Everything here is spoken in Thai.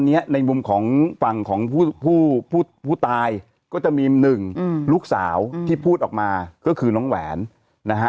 ในมุมของฝั่งของผู้ผู้ตายก็จะมีหนึ่งลูกสาวที่พูดออกมาก็คือน้องแหวนนะฮะ